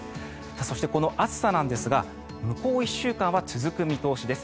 そして、この暑さなんですが向こう１週間は続く見通しです。